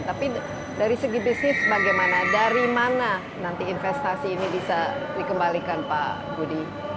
tapi dari segi bisnis bagaimana dari mana nanti investasi ini bisa dikembalikan pak budi